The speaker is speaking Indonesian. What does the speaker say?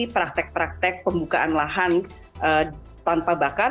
praktek praktek pembukaan lahan tanpa bakar